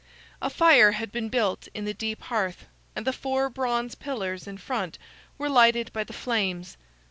A fire had been built in the deep hearth, and the four bronze pillars in front were lighted by the flames.